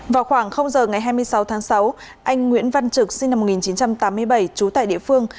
vào khoảng giờ ngày hai mươi sáu tháng sáu anh nguyễn văn trực sinh năm một nghìn chín trăm tám mươi bảy trú tại địa phương